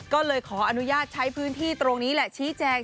ก็เลยขออนุญาตใช้พื้นที่ตรงนี้แหละชี้แจง